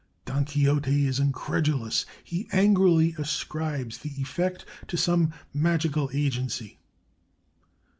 Don Quixote is incredulous. He angrily ascribes the effect to some magical agency.